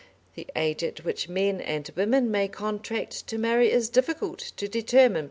The age at which men and women may contract to marry is difficult to determine.